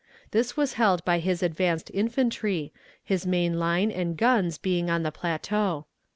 This was held by his advanced infantry, his main line and guns being on the plateau.